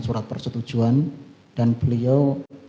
surat persetujuan dan beliau